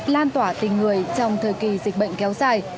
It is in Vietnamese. lan tỏa tình người trong thời kỳ dịch bệnh kéo dài